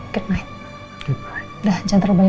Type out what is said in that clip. kamu dengar apa